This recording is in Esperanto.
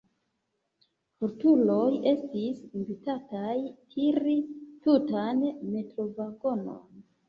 Fortuloj estis invitataj tiri tutan metrovagonon.